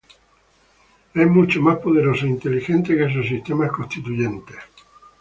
Es mucho más poderoso e inteligente que sus sistemas constituyentes.